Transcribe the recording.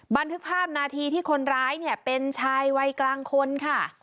บันทึกภาพนาทีที่คนร้ายเนี่ยเป็นชายวัยกลางคนค่ะ